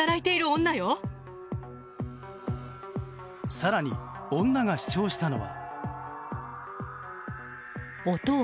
更に、女が主張したのは。